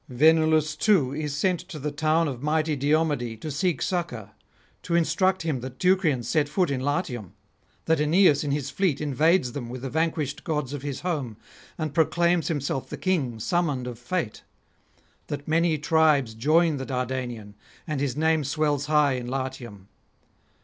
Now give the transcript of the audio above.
Venulus too is sent to the town of mighty Diomede to seek succour, to instruct him that Teucrians set foot in Latium; that Aeneas in his fleet invades them with the vanquished gods of his home, and proclaims himself the King summoned of fate; that many tribes join the Dardanian, and his name swells high in Latium.